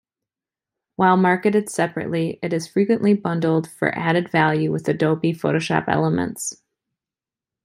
While marketed separately, it is frequently bundled for added value with Adobe Photoshop Elements.